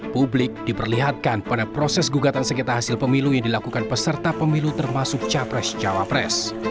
publik diperlihatkan pada proses gugatan sekitar hasil pemilu yang dilakukan peserta pemilu termasuk capres cawapres